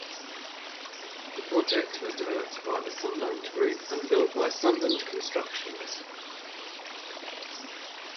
The project was developed by The Sunland Group and built by Sunland Constructions.